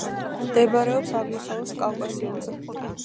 მდებარეობს აღმოსავლეთ კავკასიონზე.